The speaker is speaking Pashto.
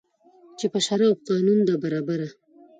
چي پر شرع او قانون ده برابره